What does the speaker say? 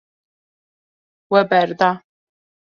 We berda.